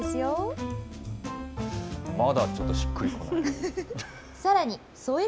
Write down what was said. まだちょっとしっくりこない。